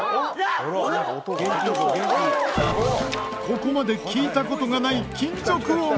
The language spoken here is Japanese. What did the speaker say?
ここまで聞いた事がない金属音が！